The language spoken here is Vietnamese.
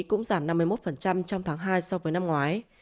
cũng giảm năm mươi một trong tháng hai so với năm ngoái